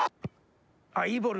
ああいいボール！